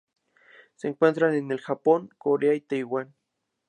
Se encuentra en el Japón, Corea y Taiwán.